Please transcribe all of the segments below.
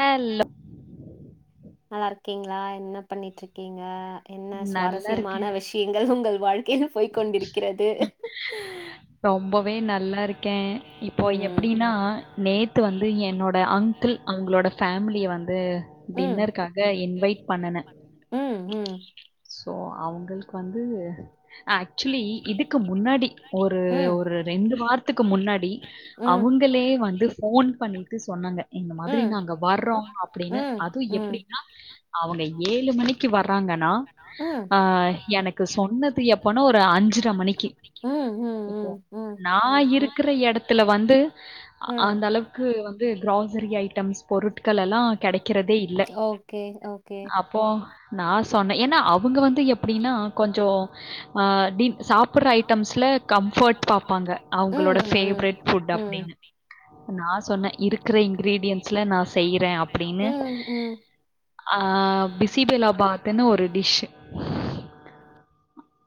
Hello க்ங்களா என்ன பண்ணிட்டு இருக்கீங்க என்ன நல்லா சுவாரஸ்யமான இருக்கேன். விஷயங்கள் உங்கள் வாழ் கே போய்கொண்டிருக்கிறது ரொம்பவே நல்லா இருக்கே இப்போ ம். எப்டின்னா நேத்து வந்து என்னோட அங்கிள் அவங்களோட ஃபேமிலிய வந்து ம். டின்னருக்காக இன்வைட் பண்ணன ம், ம். சோ அவங்களுக்கு வந்து ஆக்சுவலி இதுக்கு முன்னாடி ஒரு ம். ஒரு ரெண்டு வாரத்துக்கு முன்னாடி ம். அவங்களே வந்து ஃபோன் பண்ணிட்டு சொன்னாங்க இந்த மாதிரி ம். நாங்க வர்றோ அப்டின்னு ம், அதுவு ம். எப்டின்னா அவங்க ஏழு மணிக்கு வர்றாங்கன்னா ம். ஆ எனக்கு சொன்னது எப்பனா ஒரு அஞ்சரை மணிக்கி ம் ம் ம் நா இருக்கிற எடத்துல வந்து ம் அந்த அளவுக்கு வந்து கிராஸ் ஸிரி ஐட்டம்ஸ் பொருட்கள் எல்லா கெடைக்கிறதே இல்ல ஓகே ஓகே அப்போ நா சொன்னே ஏன்னா அவங்க வந்து எப்டின்னா கொஞ்சோ ஆ டீப் சாப் பிட்ற ஐட்டம்ஸ்ல கம்ஃபர்ட் பாப்பாங்க அவங்களோட பேவரட் ஃபுட் அப்டின்னு நா சொன்னே இருக்கிற இன்கிரீடியன்சுல நா செய்யறே அப்டின்னு ம் ம் ஆ பிசிபெல்லா பாத்ன்னு ஒரு டிஷ்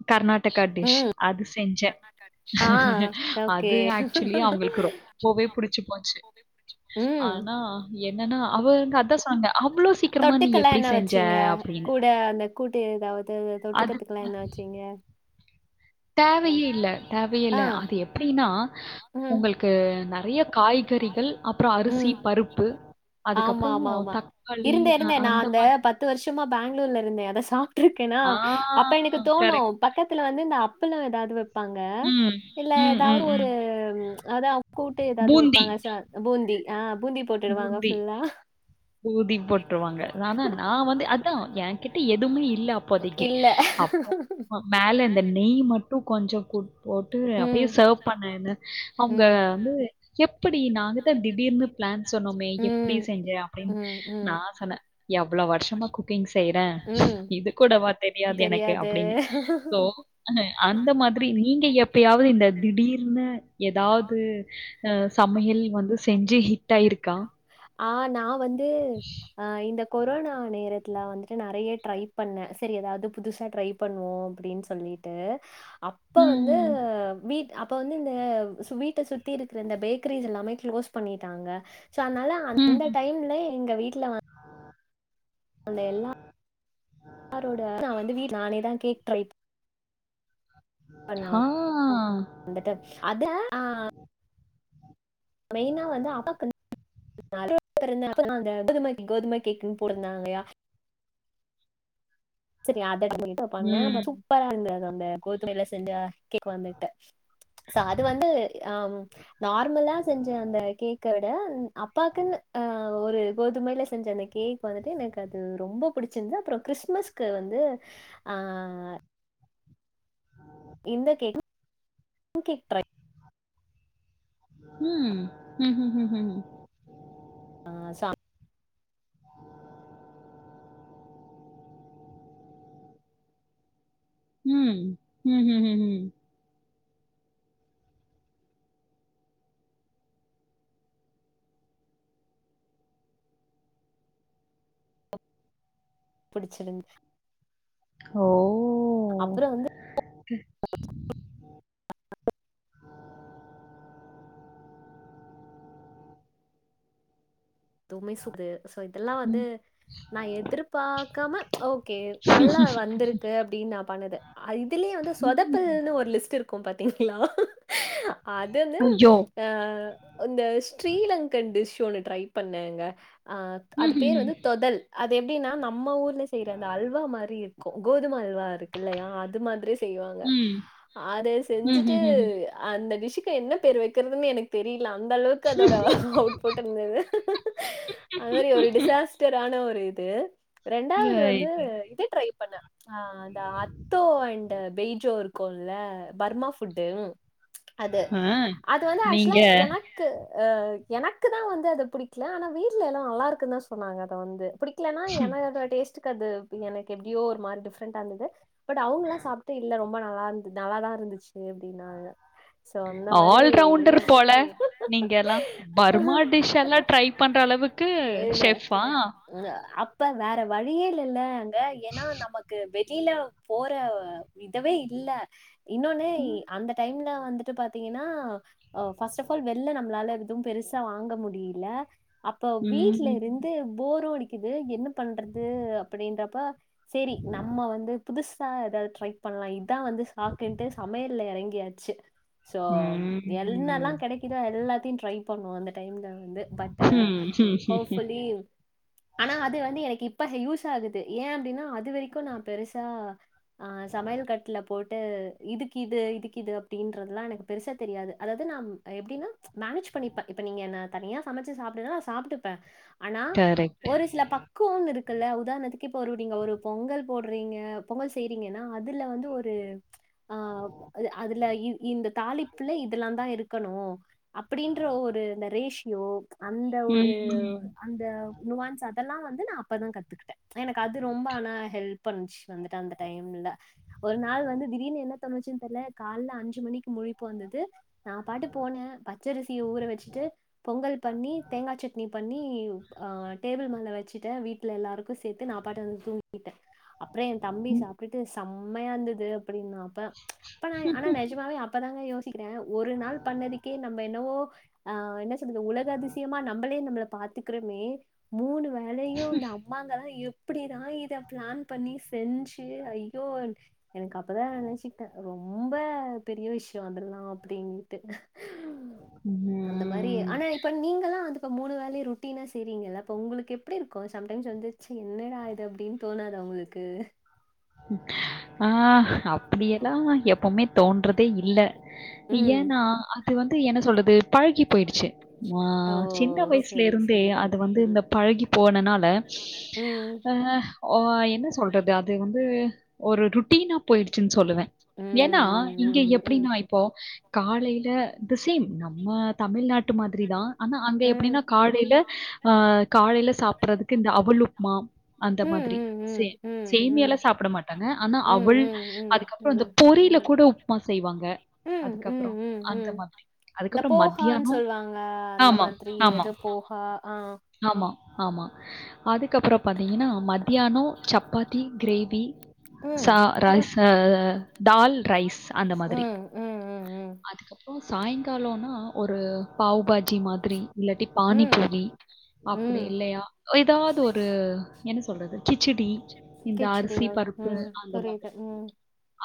கர்நாடகா டிஷ் ம் அது செஞ்ச நா ஓகே அது ஆக்சுவலி அவங்களுக்கு ரொம்பவே புடிச்சு போச்சு ம் ஆனா என்னன்னா அவங்க அதா சொ பாங்க அவ்ளோ சீக்கிரமா நீ தொட்டுக்கெல்லா எப்டி என்ன பிடிச்ச செஞ்ச வச்சீங்க அப்டின்னு கூட அந்த கூட்டு ஏதாவது தொட்டுகறதுக்கெல்லா என்ன வச்சீங்க தேவையே இல்ல தேவையே இல்ல அது எப்டின்னா ம் உங்களுக்கு நெறைய காய் கறிகள் அப்புறோ அரிசி பருப்பு ஆமா அதுக்கப்புறம் ஆமா ஆமா தக்காளி இருந்தே அ இருந்தே நா அந்த மாதிரி பத்து வருஷமா பெங்களூர்ல இருந்தே அத சாப்பிட்டுருக்கே ஆ அப்ப எனக்கு தோணு கரெக்ட். பக்கத்துல வ ந்து இந்த அப்பள ஏதாது வெப்பாங்க ம். இல்ல ம், ம், ஏதாவது ம். ஒரு அதா கூட்டு ஏதாது வெப் பூந்தி பூந்தி ஆ பூந்தி போட்டுவாங்க ஃபுல்லா பூந்தி போட்டுருவாங்க ஆனா நா வந்து அதா ஏ கிட்ட எதுவுமே இல்ல அப்போதைக்கி இல்ல. அப்போ அ மேல இந்த நெய் மட்டு கொஞ்ச கூ போட்டு அப்டியே ம். சர்வ் பண்ண என்ன அவங்க ம். வந்து எப்டி நாங்கதா திடீர்னு பிளான் சொன்னோமே எப்டி ம். செஞ்சே அப்டின்னு ம். நா ம். சொன்னே எவ்ளவு வருஷமா குக்கிங் செய்யறே ம். இது கூடவா தெரியாது எனக்கு அப்டின்னு சோ அ அந்த மாதிரி நீங்க எப்ப வது இந்த திடீர்னு எதாது அ சமையல் வந்து செஞ்சு ஹிட்ட யிருக்கா ஆ நா வந்து அ இந்த கொரோனா நேர துல வந்துட்டு நறைய ட்ரை பண்ணே சரி எதாது புதுசா ட்ரை பண்ணுவோ அப்டின் சொல்லிட்டு அப்ப வந்து ம். வீட் அப்ப வந்து இந்த சு வீட்ட சுத்தி இருக்குற இந்த பேக்கரிஸ் எல்லாமே க்ளோஸ் பண்ணிட்டாங்க சோ அதனால அந்த ம். டைம்ல எங்க வீட்ல வந் த எல்லாரோட நா வந்து வீட் நானே தா கேக் பண்ண [inaudible] வந்துட்டு அத ஆ மெயினா வந்து அப்பாக்கு அந்த [inaudible] கோதும கேக்குன் போட்ருந்தாங்கலயா சரி அத [unintelligible] பண்ணே சூப்பரா இருந்தது இந்த கோதுமைல செஞ்ச கேக் வந்துட்டு சோ அது வந்து ஆ நார்மலா செஞ்ச அந்த கேக்க விட அப்பாக்குன்னு அ ஒரு கோதுமைல செஞ்ச அந்த கேக் வந்துட்டு எனக்கு அது ரொம்ப பிடிச்சிருந்த அப்றம் க்றிஸ்மஸ் க்கு வந்து ஆ இந்த கேக் [inaudible] ம் கேக் ம் ம் ம் ம் ம் ஆ [inaudible] [inaudible] ம் ம் ம் ம் ம் புடிச்சிருந் ஓ [inaudible] அதுமே [unintelligible] சோ இதெல்லா வந்து நா எதிர்பாக்காம ஓகே நல்லா வந்திருக்கு அப்டின் பண்ணது ஆ இதுலே வந்து சொதப்பல்ன்னு ஒரு லிஸ்ட் இருக்கு பாத்தீங்களா அது வந்து ஐயோ. அ இந்த ஸ்ரீலங்கன் டிஷ் ஒன்னு ட்ரை பண்ணேங்க அ ம், அது ம், பேர் வந்து தொதல் அது எப்டின்னா நம்ம ஊர்ல செய்ற அந்த அல்வா மாரி இருக்கு கோதும அல்வா இரு க்குல்லையா அது மாதிரி செய்வாங்க ம். அத ம், செஞ்சுட்டு ம், ம், ம். அந்த டிஷ் கு என்ன பேர் வைக்கறதுன்னு எனக்கு தெரில அந்த அளவுக்கு அதோட அவுட்புட் இருந்துது அது மரி ஒரு டிசாஸ்டரான ஒரு இது ரெண்டாவது வந்து ரைட், ரைட். இதே ட்ரை பண்ண அ அந்த அத்தோ அண்ட் பெய்ஜோரு க்குல்ல பர்மா ஃபுட்டு அது ஆ. அது வந்து ஆக்ஷூவலா நீங்க எனக்கு ஆ எனக்கு தா வந்து அத புடிக்ல ஆனா வீட்ல எல்லா நல்லா இருக்குன் தா சொன்னாங்க அத வந்து புடிக்லனா என அதோ டேஸ்ட் கு அது எனக்கு எப்டியோ ஒரு மாரி டிஃப்ரெண்டா இருந்துது பட் அவங்களா சாப்ட்டு இல்ல ரொம்ப நல்லாந் நல்லா தா இரு ந்துச்சு அப்டின்னாங்க சோ அந்த மாரி ஆல்ரவுண்டர் போல நீங்கெல்லா பர்மா டிஷ் எல்லா ட்ரை பண்ற அளவுக்கு செஃப்பா உம் அப்ப வேற வழியே இல்லல்ல அங்க ஏனா நமக்கு வெளில போற இது லவே இல்ல இன்னொன்னு இ அந்த டைம்ல வந்துட்டு பாத்தீங்கன்னா அ ஃபஸ்ட் ஆஃப் ஆல் வெள்ல நம்ளால எதுவு பெருசா வாங்க முடில அப்ப வீட்ல ம். இருந்து போரு அடிக்குது என்ன பண்றது அப்டின்றப்ப சேரி நம்ம வந்து புதுசா எதாது ட்ரை பண்லா இதா வந்து சாக்குன்ட்டு சமையல்ல எறங்கி யாச்சீ சோ என்னல்லா ம். கெடைக்குதோ எல்லாத்தையு ட்ரை பண்ணுவோ அந்த டைம்ல பட்டு ம். ஹோஃபுல்லி ஆனா அது வந்து எனக்கு இப்ப யூஸ் சாகுது ஏ அப்டின்னா அது வரைக்கு நா பெருசா ஆ சமையல் கட்ல போ இதுக்கு இது இதுக்கு இது அப்படின்றதுல்லா எனக்கு பெருசா தெரியாது அதாவது நா எப்டின்னா மேனேஜ் பண்ணிப்பா இப்ப நீங்க என்ன தனியா சமைச்சு சாப்டு நா சாப்ட்டுப்பே ஆனா கரெக்ட். ஒரு சில பக்குவம் இருக்கு குள்ள உதாரணத்துக்கு இப்ப ஒரு நீங்க ஒரு பொங்கல் போடுறீங்க பொங்கல் செய்றீங்கன்னா அதுல வந்து ஒரு ஆ அதுல இந்த தாலிப்புல இதெல்லா தா இருக்கணு அப்படின்ற ஒரு இந்த ரேஷ் யோ அந்த ஒரு ம். அந்த நுவான்ஸ் அதெல்லா வந்து நான் அப்பதான் கத்துக் கிட்டேன் எனக்கு அது ரொம்ப ஆனா ஹெல்ப் பண்ச்சு வந்துட்ட அந்த டைம்ல ஒரு நாள் வந்து திடீர்னு என்ன தொச்சுன்ன தெரல கால அஞ்சு மணிக்கு மொழி போ வந்தது நான் பாட்டு போனே பச்சரிசிய ஊற வச்சுட்டு பொங்கல் பண்ணி தேங்கா சட்னி பண்ணி ஆ டேபிள் மேல வச்சுட்டேன் வீட் ல எல்லாருக்கு சேர்த்து நான் பாட்டு வந்து தூங்கிட்டே அப்புறம் என் தம்பி சாப்ட்டுட்டு செம்மையா இருந்தது அப்படின்னாப்ப ஆனா நிஜமாவே அப்பதாங்க யோச சிக்கிர ஒரு நாள் பண்ணதுக்கே நம்ம என்னவோ ஆ என்ன உலக அதிசயமா நம்மளே நம்மள பாத்துக்கிறோமே மூணு வ வேலையும் இந்த அம்மாங்கதா எப் படிதான் இத பிளான் பண்ணி செஞ்சு ஐயோ எனக்கு அப்பதான் நினச்சிகிட்டே ரொம்ப ரொம்ப பெரிய விஷய அதெல்லா அப்படின்னுட்டு ம். ஆனா இப்ப நீங்களா வந்து எப் மூணு வேலையு ருட்டீனா செய்றீங்களா உங்களுக்கு எப்படி இருக்கு சம்டைம்ஸ் வந்துச்ச என்னட இது அப்படின்னு தோணாதா உங்களுக்கு ஆ அப்படியெல்லா எப்பவுமே தோன்றதே இல்ல ம் ஏன்னா அது வந்து என்ன சொல்றது பழகி போயிடுச்சு ஆ ஓ சின்ன வயசுல செரி இருந்தே செரி அது வந்து இந்த பழகி போனனால ம் அ ஆ என்ன சொல்றது அது வந்து தூ ஒரு ருட்டீனா போயிடுச்சுன்னு சொல்லுவே ஏன்னா இங்க எப்படின்னா இப்போ காலையில் லா தி சேம் நம்ம தமிழ்நாட்டு மாதிரி தா ஆனா அங்க எப்படின்னா காலைல அ காலையில சாப்பறதுக்கு இந்த அவுல் உப்புமா அந்த சப்பாத்தி மாதி திரி சே சேமியல்லா சாப் சாப்ட மாட்டாங்க ஆனா அவள் அதுக்கப்புறம் இந்த அதுக்கப்றோ பொரியில கூட உப்மா செய்வாங்க ங்க ம் ம் அதுக்கப்புறம் ம் அந்த ம் மாதிரி இந்த அதுக்கப்புறம் மத்தியான ஆமாம் ஆமாம் அது போகா ஆ ஆமா ஆமா அதுக்கப்புற பாத்தீங்கன்னா மத்தியான சப்பாத்தி கிரேவி ரேவி ச ம் ரைஸ் டால் ரைஸ் அந்த மாதிரி ம் ம் ம் ம் அதுக்கப்புறம் சாயங்காலனா ஒரு பாவு பாஜி மாதிரி இல்லாட்டி பானி ம் பூரி அப்படி ம் இல்லையா ஏதாவது ஒரு என்ன சொல்றது கிச்சடி இந்த அரிசி கிச்சடியா பருப்பு ம் அந்த மாதிரி புரியுது ம்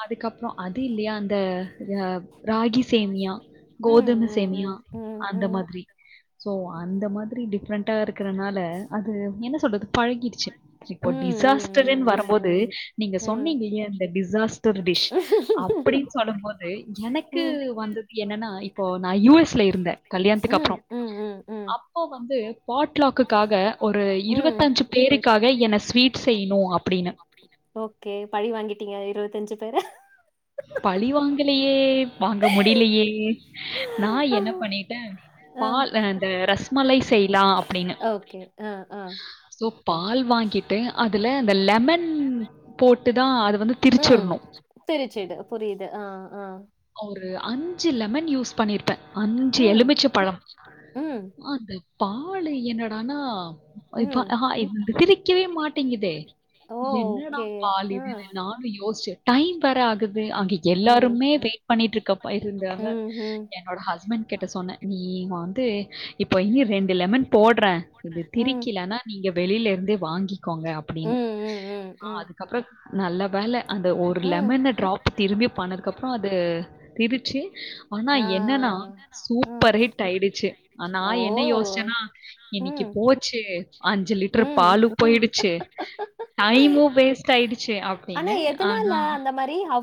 அதுக்கப்புற அது இல்லையா அந்த ராகி சேமியா ம் கோதும சேமியா ம் ம் ம் ம் அந்த மாதிரி சோ அந்த மாதிரி டிஃப்ரெண்ட்டா இருக்கறனால அது என்ன சொல்றது பழகிடுச்சு இப்போ ம் ம் ம் ம் ம் ம் ம் டிசாஸ்டர்ன்னு வர ம் போது நீங்க சொன்னீங்க இந்த டிசாஸ்டர் டிஷ் அப்படின் சொல்லும்போது எனக்கு கு வந்துது என்னன் இப்போ நான் யூ எஸ்ல இருந்தே கல்யாணத்துக்கு அப்புறம் ம் ம் ம் ம் அப்போ வந்து பாட்லாக்குக்காக ஒரு இருவத்தஞ்சு பேருக்காக என்ன ஸ்வீட் செய்ணும் அப்படின்னு ஓகே பழி வாங்கிட்டீங்க அந்த இருவத்தஞ்சு பேர பழி வாங்கலையே வாங்க முடியலையே நான் என்ன பண்ணிட்டே ஆ பால் அந்த ரசமலாய் செய்லா அப்படின்னு ஓகே ஆ ஆ ஸோ, பால் வாங்கிட்டு அதுல அந்த லெமன் போட்டு தா அத ம் திரிச்சுடு புரியுது ஆ ஆ ஒரு அஞ்சு லெமன் யூஸ் பண்ணிருப்பே அஞ்சு ம் எலுமிச்ச பழ ம் அந்த பாலு என்னடானா இப்ப ம் அஹா த் திரிக்கவே மாட்டேங்கிதே ஓ என்னடா ஓகே பாலு ஆ இதுன்னு நானு யோசுச்சே டைம் வேற ஆகுது அங்க ம் ம் எல்லாருமே வெய் பண்ணிட்ருக்கப்ப இருந்தாங்க ம் ம் என்னோட ஹஸ் ஹஸ்பண்ட் கிட்ட சொன்னே நீ வாந்து இப்ப இன்னி ரெண்டு லெமன் போட்றே இது ம் ம் திரிக்கலனா நீங்க வெளில இருந்தே வாங்கிக்கோங்க அப்டின்னு ம் ஆ அதுக்கப்ற நல்ல வேல அந்த ஒரு ம் லெமனு ட்ராப் திரும்பி பன்னதுக்கப்ற அது ம் திரி ச்சு ஆனா நா என்னனா சூப்பர் ஹிட் ஆயிடுச்சு ஆ நா என்ன யோசுச்சனா இன்னைக்கு போச்சு அஞ்சு லிட்ரு பாலு போயிடுச்சு டைமு வேஸ்ட் டாயிடுச்சு அப்டின்னு ஆனா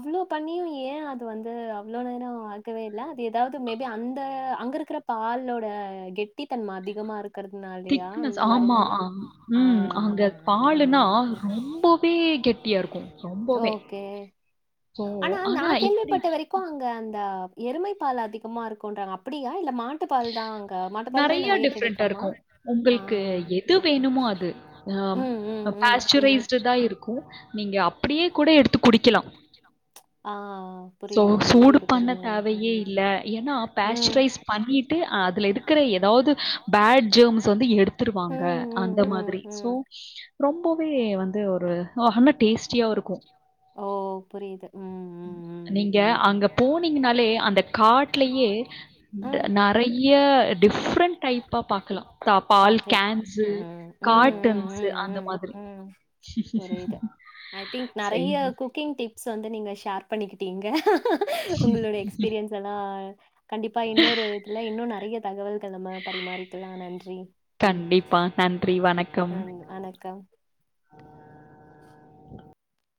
இவ்ளோ பண்ணியு ஏ அது வந்து அவ்ளோ நேர அ க்கவே இல்ல அது எதாவ்து மே பி அந்த அங்க இருக்கிற பாலோட கெட்டித்தன்ம அதிகமாருக் கறதுனாலயா திக்னஸ் அந்த ஆமா. மாரியெதாதா ஆமா. ஆ ம். அங்க பாலுன்னா ம் ரொம்பவே கெட்டியா இருக்கும். ரொம்பவே. ஓகே ஸோ ஆனா நா எப்படி கேள்விப்பட்ட வரைக்கு அங்க அந்த எருமை பால் அதிகமா இருக்குன்றாங்க அப்டியா இல்ல மாட்டுப்பால் தா அங்க மாட்டுப்பாலுமே நெறைய டிஃபரெண்ட்டா கிடைக்குமா இருக்கும். ஆ ஆம் ம், ம், அப் ம், ம். பாஸ்ட்டுரைஸ்டுதா இருக்கு நீங்க அப்டியே கூட எடுத்து குடிக்கலா ஆ சோ புரியுது, புரியுது. சூடு பண்ண ம். தேவையே இல்ல ஏனா ம். ப்பேஸ்ட்ரைஸ் பண்ணிட்டு அ அதுல இருக்குற எதாவ்து பேட் ஜேம்ஸ வந்து எடுத்துருவாங்க ம், ம், அந்த ம், மாதிரி சோ ம். ரொம்பவே வந்து ஒரு ஆ ஆனா டேஸ்ட்டியாவு இருக்கு ம் நீங்க அங்க போனீங்கனாலே அந்த காட்லயே ப ம். நெறைய டிஃப்ரெண்ட் டைப்பா பாக்கலா பா பால் பாக்கலாம். கேன்ஸு ம், ம், ம், காட்டன்ஸ்சு ம், அந்த ம், மாதிரி [inaudible] ம். புரியுது. ஐ திங்க் சரி. நெறைய குக்கிங் டிப்ஸ் வந்து நீங்க ஷேர் பண்ணிக்கிட்டீங்க உங்களோடைய எக்ஸ்பீரியன்ஸெல்லா கண்டிப்பா இன்னொரு இதுல இன்னு நெறைய தகவல் நம்ம பரிமாறிக்கலா நன்றி கண்டிப்பா நன்றி வணக்கம் நன் வணக்கம்.